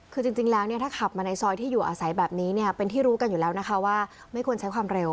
คือจริงแล้วเนี่ยถ้าขับมาในซอยที่อยู่อาศัยแบบนี้เนี่ยเป็นที่รู้กันอยู่แล้วนะคะว่าไม่ควรใช้ความเร็ว